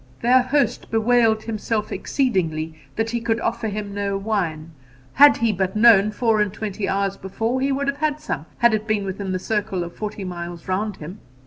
Their host bewailed himself exceedingly that he could offer him no wine: 'Had he but known four and twenty hours before, he would have had some, had it been within the circle of forty miles round him.